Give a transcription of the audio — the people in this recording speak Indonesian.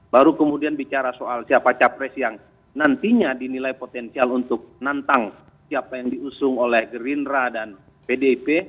baru kemudian bicara soal siapa capres yang nantinya dinilai potensial untuk menantang siapa yang diusung oleh gerindra dan pdip